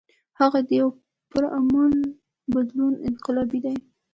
هغه د يو پُرامن بدلون انقلابي دے ۔